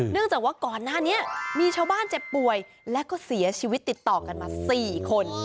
จากว่าก่อนหน้านี้มีชาวบ้านเจ็บป่วยและก็เสียชีวิตติดต่อกันมา๔คน